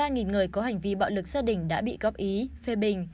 ba người có hành vi bạo lực gia đình đã bị góp ý phê bình